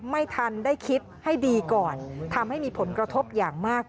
ไม่ทันได้คิดให้ดีก่อนทำให้มีผลกระทบอย่างมาก